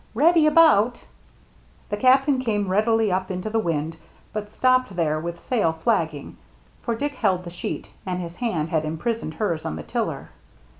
Ready about !" The Captain came rapidly up into the wind, but stopped there with sail flapping ; for Dick held the sheet, and his hand had imprisoned hers on the tiller.